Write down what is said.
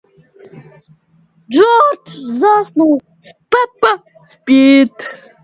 Мы также рады видеть представителя европейского государства-члена на посту Председателя этого важного комитета.